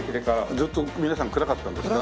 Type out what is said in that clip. ずっと皆さん暗かったんですか？